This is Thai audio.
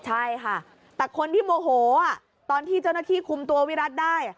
ใช่ค่ะแต่คนที่โมโหตอนที่เจ้าหน้าที่คุมตัววิรัติได้